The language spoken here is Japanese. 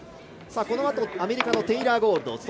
このあと、アメリカのテイラー・ゴールド。